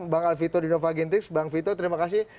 bang alvito di nova gentix bang vito terima kasih